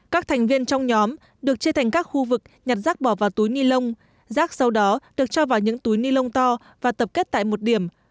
các thành viên trong nhóm được chê thành các khu vực nhặt rác bỏ vào túi nilon rác sau đó được cho vào những túi nilon to và tập kết tại một điểm